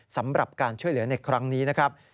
สำหรับการช่วยเหลือในครั้งนี้นะครับ